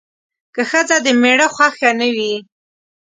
که ښځه د میړه خوښه نه وي